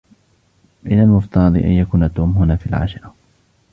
من المفترض أن يكون توم هنا في العاشرة.